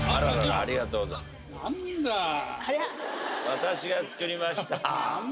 私が作りました